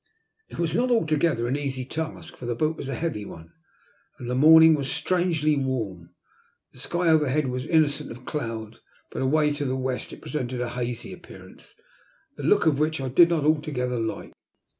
It was not altogether an easy task, for the boat was a heavy one and the morning was strangely warm. The sky overhead was innocent of cloud, but away to the west it presented a hazy appearance; the look of which I did not altogether like.